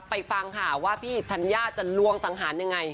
ฟังค่ะว่าพี่ธัญญาจะลวงสังหารยังไง